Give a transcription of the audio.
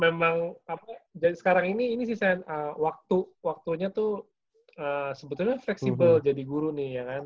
memang sekarang ini ini sih waktu waktunya tuh sebetulnya fleksibel jadi guru nih ya kan